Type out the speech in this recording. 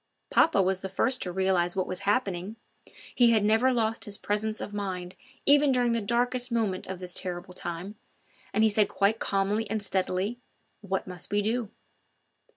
Papa was the first to realise what was happening; he had never lost his presence of mind even during the darkest moment of this terrible time, and he said quite calmly and steadily now: "What must we do?"